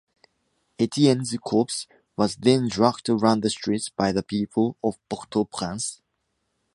Etienne’s corpse was then dragged around the streets by the people of Port-au-Prince.